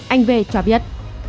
anh v cho biết